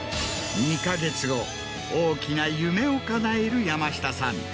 ２か月後大きな夢をかなえる山下さん。